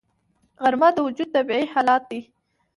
غرمه د وجود طبیعي حالت دی